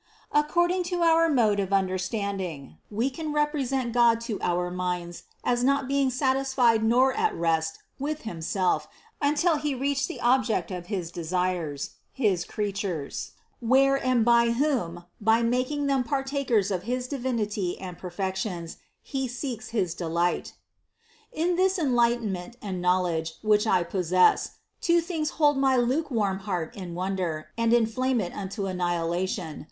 According to our mode of understanding, we can represent God to our minds as not being satisfied nor at rest with Himself until He reached the object of his desires, the creatures, where and with whom, by making them partakers of his divinity and perfections, He seeks his delight. 37. In this enlightenment and knowledge which I pos sess, two things hold my lukewarm heart in wonder and inflame it unto annihilation.